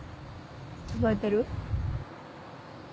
覚えてる？